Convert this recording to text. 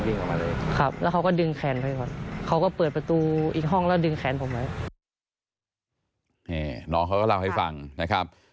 นี่น้องเขาก็เล่าให้ฟังนะครับ